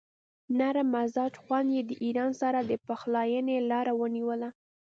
نرم مزاج خاوند یې د ایران سره د پخلاینې لاره ونیوله.